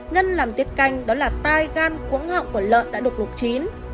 nhân làm tiết canh đó là tai gan cuống ngọng của lợn đã được lục chín